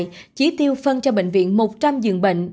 bệnh nhân hiện tại chỉ tiêu phân cho bệnh viện một trăm linh giường bệnh